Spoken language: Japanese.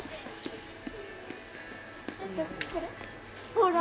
ほら！